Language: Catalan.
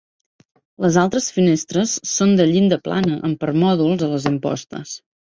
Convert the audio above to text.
Les altres finestres són de llinda plana amb permòdols a les impostes.